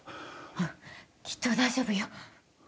うんきっと大丈夫よ。